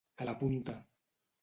A la punta.